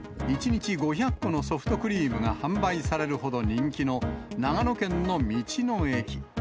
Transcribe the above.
１日５００個のソフトクリームが販売されるほど人気の長野県の道の駅。